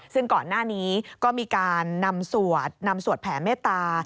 ซึ่งก่อนหน้านี้ก็มีการนำสวดนำสวดแผ่เมตตา